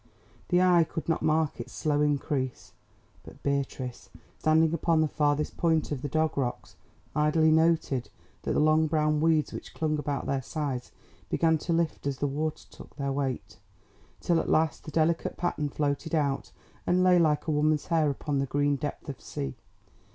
The eye could not mark its slow increase, but Beatrice, standing upon the farthest point of the Dog Rocks, idly noted that the long brown weeds which clung about their sides began to lift as the water took their weight, till at last the delicate pattern floated out and lay like a woman's hair upon the green depth of sea.